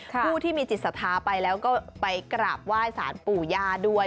ผู้ที่มีจิตสาธารณ์ไปแล้วก็ไปกราบว่ายสารปู่ยาด้วย